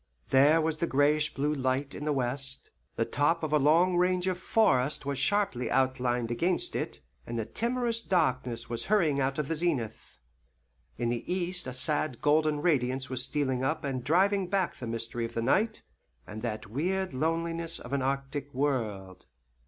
There was the grayish blue light in the west, the top of a long range of forest was sharply outlined against it, and a timorous darkness was hurrying out of the zenith. In the east a sad golden radiance was stealing up and driving back the mystery of the night, and that weird loneliness of an arctic world.